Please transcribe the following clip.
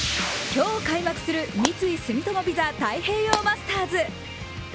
今日開幕する三井住友ＶＩＳＡ太平洋マスターズ。